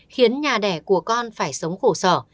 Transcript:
khiến nhà đẻ của con phải sống khổ sở